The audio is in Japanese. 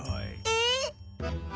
えっ？